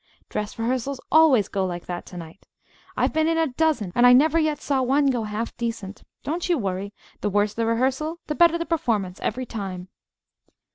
Dress rehearsals always go like that to night. I've been in a dozen, and I never yet saw one go half decent. Don't you worry. The worse the rehearsal, the better the performance, every time!"